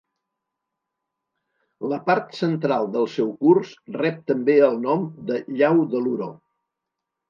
La part central del seu curs rep també el nom de llau de l'Oró.